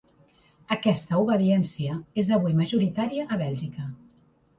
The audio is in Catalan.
Aquesta obediència és avui majoritària a Bèlgica.